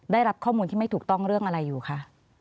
ได้รับข้อมูลที่ไม่ถูกต้องเรื่องอะไรอยู่คะ